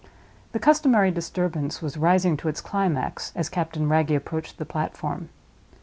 The customary disturbance was rising to its climax as Captain Wragge approached the platform.